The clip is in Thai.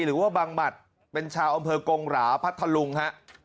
หรือว่าบังหมัดเป็นชาวอำเภอกงหราพัทธลุงฮะ